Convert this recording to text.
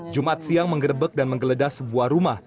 jumat siang menggerebek dan menggeledah sebuah rumah